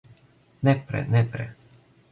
Nepre, nepre...